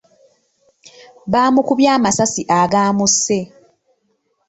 Bamukubye amasasi agamusse.